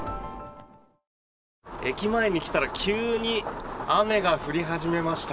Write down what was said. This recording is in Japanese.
駅前に来たら急に雨が降り始めました。